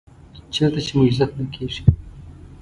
چېرته چې مو عزت نه کېږي .